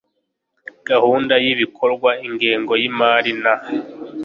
gahunda y ibikorwa ingengo y imari na